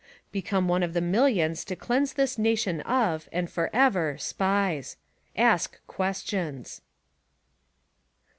Become one of the millions to cleanse this nation of, and forever — SPIES. Ask questions